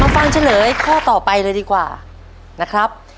ฟังเฉลยข้อต่อไปเลยดีกว่านะครับ